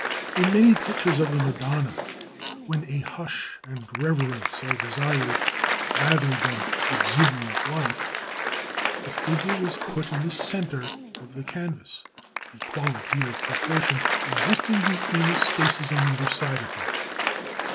Photo Hanfstaengl] In many pictures of the Madonna, when a hush and reverence are desired rather than exuberant life, the figure is put in the centre of the canvas, equality of proportion existing between the spaces on either side of her.